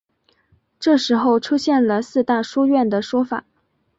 这时候出现了四大书院的说法。